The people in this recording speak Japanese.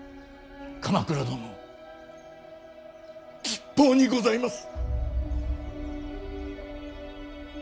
鎌倉殿吉報にございます。